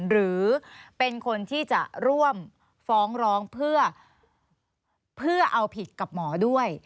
หรือเป็นคนที่จะร่วมฟ้องร้องเพื่อเอาผิดกับหมอด้วย